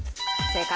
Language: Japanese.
正解。